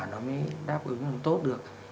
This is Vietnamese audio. nó mới đáp ứng tốt được